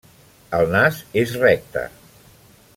El nas és recte.